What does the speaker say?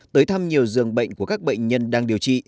tới thăm nhiều giường bệnh của các bệnh nhân đang điều trị